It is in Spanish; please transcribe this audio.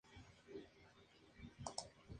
La sede del condado es Rock Port.